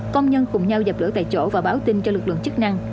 công nhân cùng nhau dập lửa tại chỗ và báo tin cho lực lượng chức năng